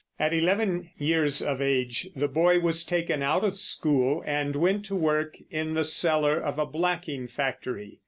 At eleven years of age the boy was taken out of school and went to work in the cellar of a blacking factory.